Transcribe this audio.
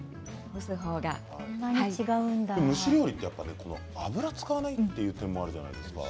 蒸し料理は油を使わないっていう利点もあるじゃないですか。